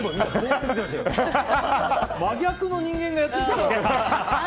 真逆の人間がやってきたから。